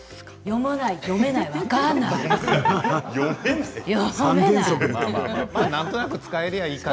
読まない読めない分からない。